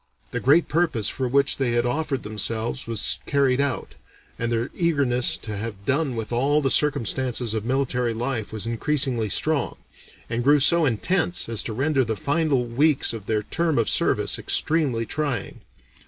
The great purpose for which they had offered themselves was carried out, and their eagerness to have done with all the circumstances of military life was increasingly strong, and grew so intense as to render the final weeks of their term of service extremely trying.